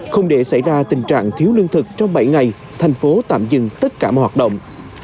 không để xảy ra tình trạng thiếu lương thực trong bảy ngày thành phố tạm dừng tất cả mọi hoạt động